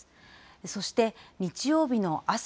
そして、日曜日の朝。